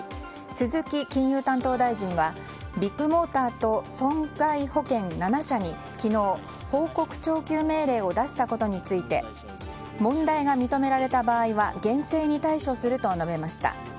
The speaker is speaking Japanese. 鈴木金融担当大臣はビッグモーターと損害保険７社に昨日、報告徴求命令を出したことについて問題が認められた場合は厳正に対処すると述べました。